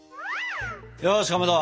よしかまど！